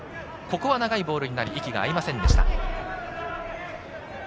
長いボールになり息が合いませんでした。